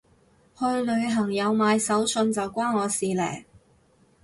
去旅行有買手信就關我事嘞